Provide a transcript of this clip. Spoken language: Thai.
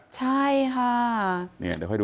ใช่ค่ะ